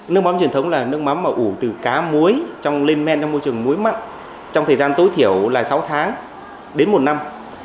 nước mắm truyền thống là nước mắm mà ủ từ cá muối lên men trong môi trường muối mặn trong thời gian tối thiểu là sáu tháng đến một năm